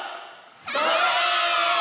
それ！